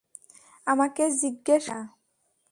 আমাকে জিজ্ঞেস করবি না।